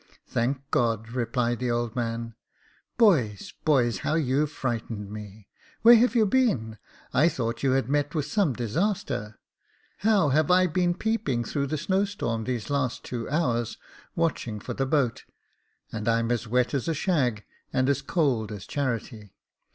"Thank God!" replied the old man. "Boys, boys, how you frightened me ! where have you been ? I thought you had met with some disaster. How have I been peeping through the snow storm these last two hours, watching for the boat, and I'm as wet as a shag, and as cold as charity.